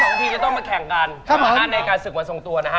บางทีจะต้องมาแข่งกันในการศึกวันทรงตัวนะฮะ